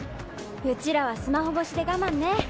ウチらはスマホ越しで我慢ね。